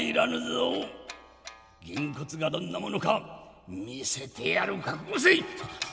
げんこつがどんなものか見せてやる覚悟せい！」。